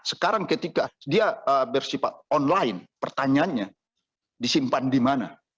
sekarang ketika dia bersifat online pertanyaannya disimpan di mana